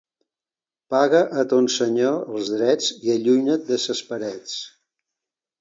Paga a ton senyor els drets i allunya't de ses parets.